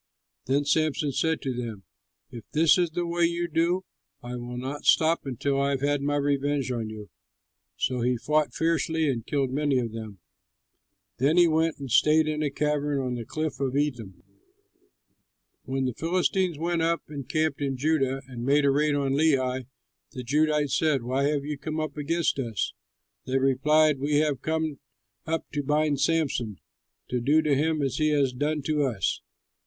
Then Samson said to them, "If this is the way you do, I will not stop until I have had my revenge on you!" So he fought fiercely and killed many of them; then he went and stayed in a cavern in the cliff of Etam. When the Philistines went up and camped in Judah and made a raid on Lehi, the Judahites said, "Why have you come up against us?" They replied, "We have come up to bind Samson, to do to him what he has done to us."